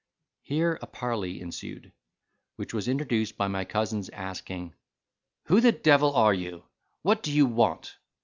Here a parley ensued, which was introduced by my cousin's asking, "Who the devil are you? What do you want?